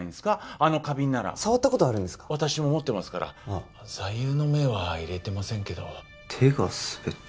あの花瓶なら触ったことあるんですか私も持ってますから座右の銘は入れてませんけど手が滑った